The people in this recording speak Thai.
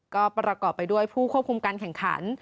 ก็ประกอบไปด้วยผู้ควบคุมการแข่งขัน